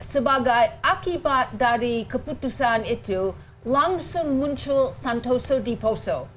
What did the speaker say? sebagai akibat dari keputusan itu langsung muncul santoso diposo